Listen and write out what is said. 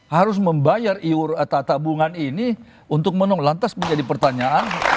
harus membayar tabungan ini untuk menunggulantas menjadi pertanyaan